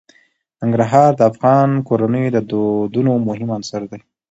ننګرهار د افغان کورنیو د دودونو مهم عنصر دی.